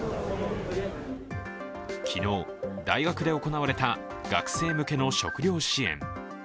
昨日、大学で行われた学生向けの食料支援。